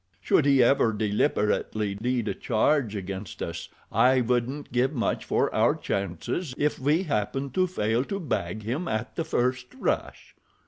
Should he ever deliberately lead a charge against us I wouldn't give much for our chances if we happened to fail to bag him at the first rush."